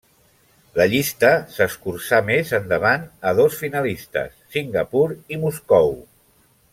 La llista s'escurçà més endavant a dos finalistes, Singapur i Moscou.